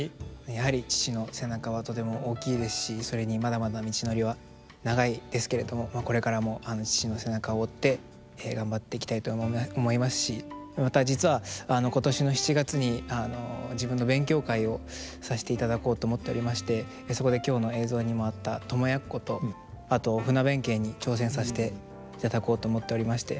やはり父の背中はとても大きいですしそれにまだまだ道のりは長いですけれどもこれからも父の背中を追って頑張っていきたいと思いますしまた実は今年の７月に自分の勉強会をさせていただこうと思っておりましてそこで今日の映像にもあった「供奴」とあと「船弁慶」に挑戦させていただこうと思っておりまして。